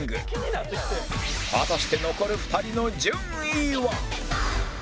果たして残る２人の順位は